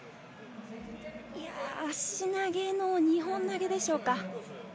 足投げの２本投げでしょうか。